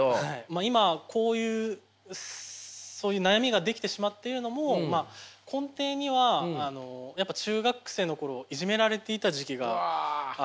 今こういう悩みが出来てしまっているのも根底にはやっぱ中学生の頃いじめられていた時期があって。